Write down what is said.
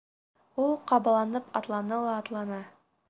Ул ҡабаланып атланы ла атланы.